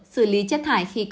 xử lý chất thải khi có